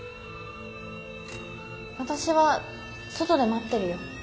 私は外で待ってるよ。